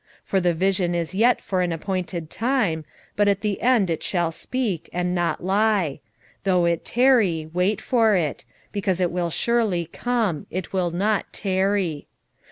2:3 For the vision is yet for an appointed time, but at the end it shall speak, and not lie: though it tarry, wait for it; because it will surely come, it will not tarry.